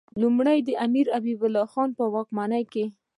لومړی د امیر حبیب الله خان په واکمنۍ کې.